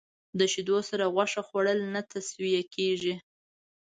د شیدو سره غوښه خوړل نه توصیه کېږي.